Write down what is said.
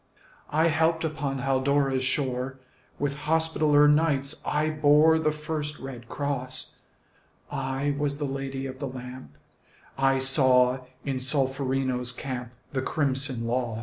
I helped upon Haldora's shore; With Hospitaller Knights I bore The first red cross; I was the Lady of the Lamp; I saw in Solferino's camp The crimson loss.